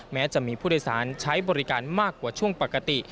แม้จะมีผู้โดยสารใช้บริการมากกว่าช่วงปกติ